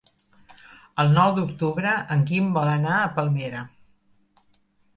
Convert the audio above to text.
El nou d'octubre en Guim vol anar a Palmera.